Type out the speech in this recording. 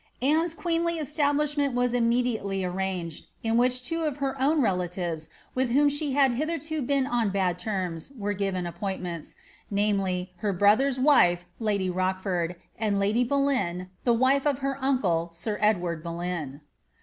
"* Anne's queenly establishment was immediately arranged, in which two of her own relatives, with whom she had hitherto been on bad terms, were given appointments ; namely, her brother's wife, lady Roch ford, and lady Boleyn, the wife of her uncle, sir Edward Boleyn.